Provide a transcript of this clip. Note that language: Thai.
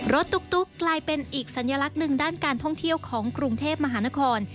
ตุ๊กกลายเป็นอีกสัญลักษณ์หนึ่งด้านการท่องเที่ยวของกรุงเทพมหานคร